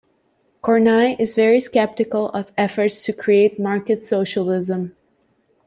Kornai is very skeptical of efforts to create market socialism.